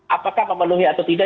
apakah memenuhi atau tidak